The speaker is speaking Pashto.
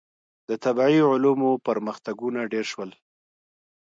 • د طبیعي علومو پرمختګونه ډېر شول.